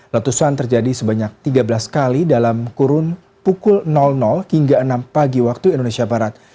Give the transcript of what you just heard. letusan terjadi sebanyak tiga belas kali dalam kurun pukul hingga enam pagi waktu indonesia barat